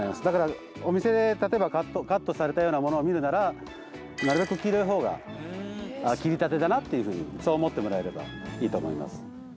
だからお店で例えばカットされたようなものを見るならなるべく黄色い方が切りたてだなっていうふうにそう思ってもらえればいいと思います。